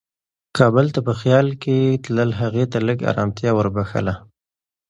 کابل ته په خیال کې تلل هغې ته لږ ارامتیا وربښله.